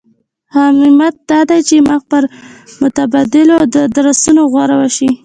همت دا دی چې مخ پر متبادلو ادرسونو غور وشي.